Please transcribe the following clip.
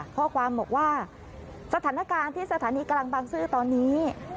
ข้อความบอกว่าสถานการณ์ที่สถานีกลางบางซื่อตอนนี้